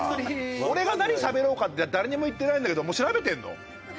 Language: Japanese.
俺が何しゃべろうかって誰にも言ってないんだけどもう調べてんの？